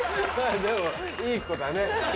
でもいい子だね。